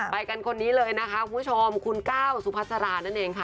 ไปกันคนนี้เลยนะคะคุณผู้ชมคุณก้าวสุพัสรานั่นเองค่ะ